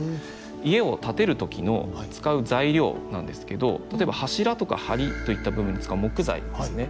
家を建てる時の使う材料なんですけど例えば柱とか梁といった部分に使う木材ですね。